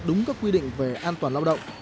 đúng các quy định về an toàn lao động